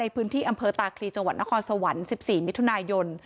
พื้นที่อำเภอตาคลีจังหวัดนครสวรรค์๑๔มิถุนายน